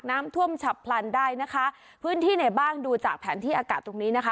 น้ำท่วมฉับพลันได้นะคะพื้นที่ไหนบ้างดูจากแผนที่อากาศตรงนี้นะคะ